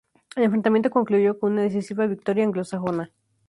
El enfrentamiento concluyó con una decisiva victoria anglosajona.